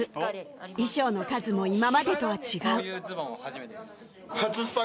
衣装の数も今までとは違う